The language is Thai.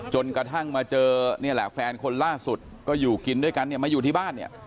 จนกระทั่งมาเจอนี่แหละแฟนคนล่าสุดก็อยู่กินด้วยกันเนี่ยมาอยู่ที่บ้านเนี่ย